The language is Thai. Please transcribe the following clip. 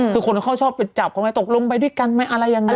คือคนเขาชอบไปจับเขาไหมตกลงไปด้วยกันไหมอะไรยังไง